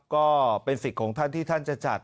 ก็เป็นสิทธิ์ของท่านที่ท่านจะจัด